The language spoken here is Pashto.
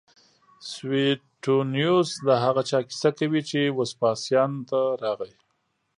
سویټونیوس د هغه چا کیسه کوي چې وسپاسیان ته راغی